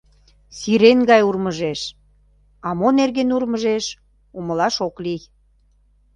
Сирен гай урмыжеш, а мо нерген урмыжеш — умылаш ок лий.